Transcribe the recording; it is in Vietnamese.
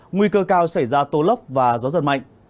nguy cơ cao xảy ra tố lốc và gió giật mạnh